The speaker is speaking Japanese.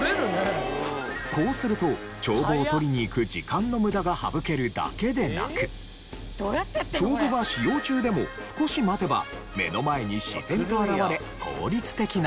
こうすると帳簿を取りに行く時間の無駄が省けるだけでなく帳簿が使用中でも少し待てば目の前に自然と現れ効率的なんです。